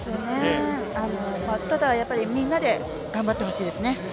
ただやっぱりみんなで頑張ってほしいですね。